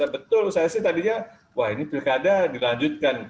betul saya sih tadinya wah ini pilkada dilanjutkan